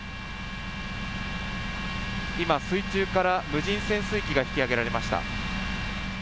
今、水中から無人潜水機が引き揚げられました。